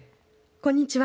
こんにちは。